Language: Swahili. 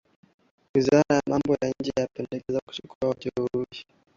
wizara ya mambo ya nje yamependekeza kuchukuwa wajeruhiwa